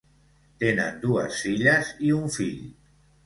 Tenen dues filles i un fill.